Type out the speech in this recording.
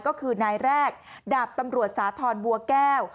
ก็คือนายแรกดาบตำรวจสาธรณ์บัวแก้ว